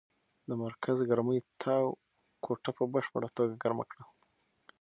د مرکز ګرمۍ تاو کوټه په بشپړه توګه ګرمه کړه.